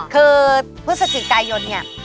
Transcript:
คือพฤศจิกายนเนี่ย